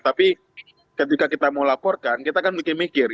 tapi ketika kita mau laporkan kita kan mikir mikir